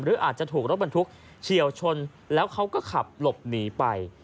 หรืออาจจะถูกรถบรรทุกเฉียวชนแล้วเขาก็ขับหลบหนีไป